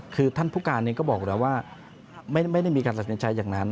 คือท่านผู้การเองก็บอกแล้วว่าไม่ได้มีการตัดสินใจอย่างนั้น